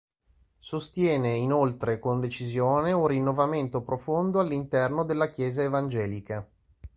Sostiene, inoltre, con decisione un rinnovamento profondo all'interno della chiesa evangelica.